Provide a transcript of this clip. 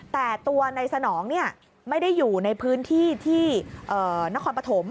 แต่ตัวในสนองไม่ได้อยู่ในพื้นที่ที่นครปฐม